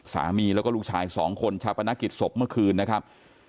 สามีแล้วก็ลูกชายสองคนชาปนกิจศพเมื่อคืนนะครับ